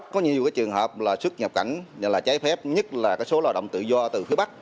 có nhiều trường hợp là xuất nhập cảnh trái phép nhất là số lao động tự do từ phía bắc